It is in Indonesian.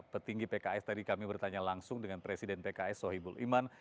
petinggi pks tadi kami bertanya langsung dengan presiden pks sohibul iman